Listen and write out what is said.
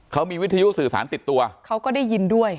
เขามีวิทยุสื่อสารติดตัวเขาก็ได้ยินด้วย